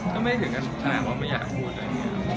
ก็ไม่ถึงขนาดว่าไม่อยากพูดอะไรอย่างนี้